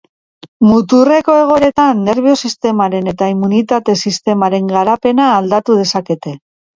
Muturreko egoeretan nerbio-sistemaren eta immunitate-sistemaren garapena aldatu dezakete.